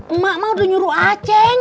emak mah udah nyuruh acing